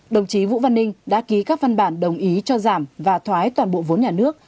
đồng chí vũ văn ninh đã ký các văn bản đồng ý cho giảm và thoái toàn bộ vốn nhà nước